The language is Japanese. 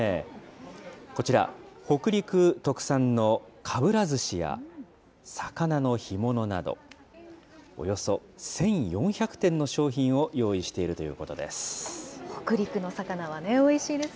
こちら、北陸特産のかぶらずしや魚の干物など、およそ１４００点の商品を用意しているということです。